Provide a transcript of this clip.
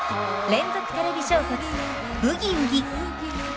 連続テレビ小説「ブギウギ」。